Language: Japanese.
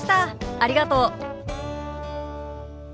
ありがとう。